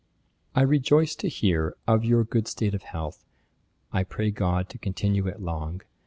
'I rejoice to hear of your good state of health; I pray GOD to continue it long.